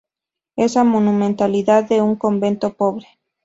Esa monumentalidad de un convento pobre.